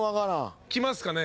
きますかね？